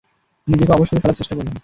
নিজেকে অবশ করে ফেলার চেষ্টা করলাম।